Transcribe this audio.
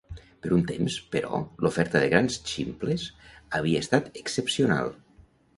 Per un temps, però, l'oferta de "grans ximples" havia estat excepcional.